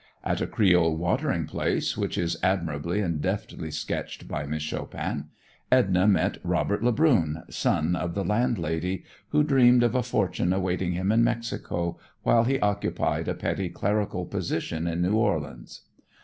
At a creole watering place, which is admirably and deftly sketched by Miss Chopin, "Edna" met "Robert Lebrun," son of the landlady, who dreamed of a fortune awaiting him in Mexico while he occupied a petty clerical position in New Orleans.